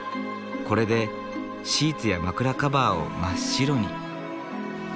これでシーツや枕カバーを真っ白に。